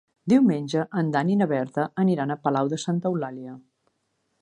Diumenge en Dan i na Berta aniran a Palau de Santa Eulàlia.